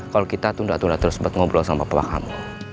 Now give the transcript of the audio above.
kalau kita tunda tunda terus buat ngobrol sama pelaku